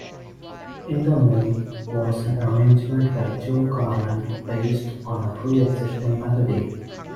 "In the Mood" was an arrangement by Joe Garland based on a pre-existing melody.